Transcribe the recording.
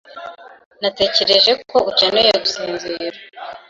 Natekereje ko ukeneye gusinzira.